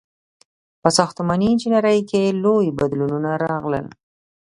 • په ساختماني انجینرۍ کې لوی بدلونونه راغلل.